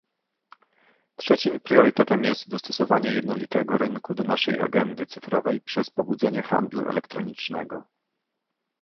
Trzecim priorytetem jest dostosowanie jednolitego rynku do naszej agendy cyfrowej przez pobudzenie handlu elektronicznego